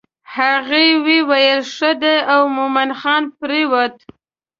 هغې وویل ښه دی او مومن خان پر ووت.